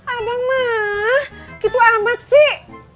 abang mah gitu amat sih